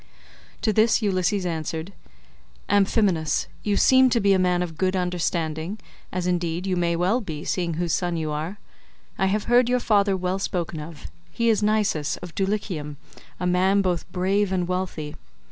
To this Ulysses answered, "Amphinomus, you seem to be a man of good understanding, as indeed you may well be, seeing whose son you are. I have heard your father well spoken of; he is Nisus of Dulichium, a man both brave and wealthy.